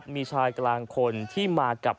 มีชายกลางคนที่มากับ